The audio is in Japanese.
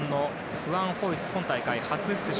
・フォイス今大会初出場。